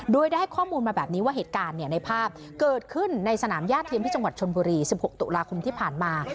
โดยได้ข้อมูลมาแบบนี้ว่าเหตุการณ์ในภาพเกิดขึ้นในสนามญาติเทียมที่จังหวัดชนบุรี๑๖ตุลาคมที่ผ่านมา